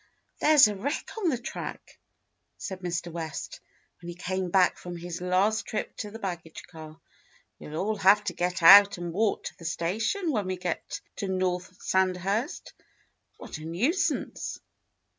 *'There's a wreck on the track," said Mr. West, when he came back from his last trip to the baggage car. *'We'll all have to get out and walk to the sta tion when we get to North Sandhurst. What a nui sance!"